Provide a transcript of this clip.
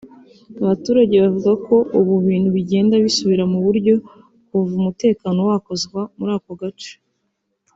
Abaturage bavuga ko ubu ibintu bigenda bisubira mu buryo kuva umutekano wakazwa muri ako gace